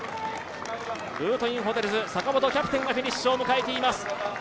ルートインホテルズ、キャプテン坂本がフィニッシュを迎えています。